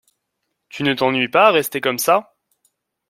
Tu ne t’ennuies pas à rester comme ça?